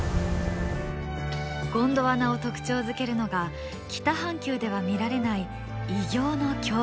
ゴンドワナを特徴づけるのが北半球では見られない異形の恐竜たち。